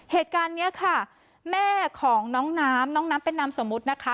เหตุการณ์นี้ค่ะแม่ของน้องน้ำน้องน้ำเป็นนามสมมุตินะคะ